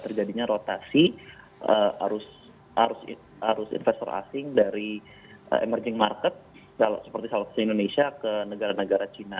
terjadinya rotasi arus investor asing dari emerging market seperti salah satu indonesia ke negara negara cina